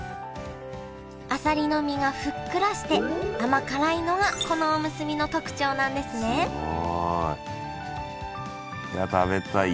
あさりの身がふっくらして甘辛いのがこのおむすびの特徴なんですねいや食べたい。